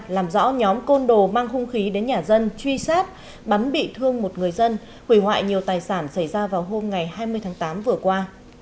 làm rõ nhóm côn đồ mang hung khí đến nhà dân truy sát bắn bị thương một người dân hủy hoại nhiều tài sản xảy ra vào hôm ngày hai mươi tháng tám vừa qua